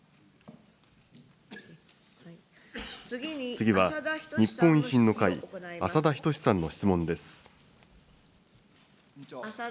次は日本維新の会、浅田均さんの質問です。